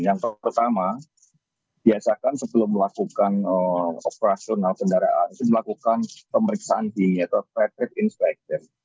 yang pertama biasakan sebelum melakukan operasional kendaraan itu melakukan pemeriksaan di atau trade rate inspection